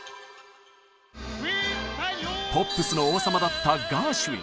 ポップスの王様だったガーシュウィン。